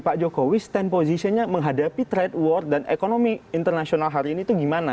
pak jokowi stand positionnya menghadapi trade award dan ekonomi internasional hari ini itu gimana